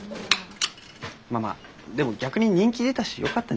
まあまあでも逆に人気出たしよかったんじゃない？